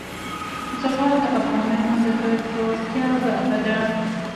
زغال د افغانانو د ګټورتیا برخه ده.